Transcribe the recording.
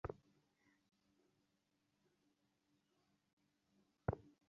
আরাকানপতি অল্পসংখ্যক সৈন্য লইয়া নদীর পরপারে আছেন।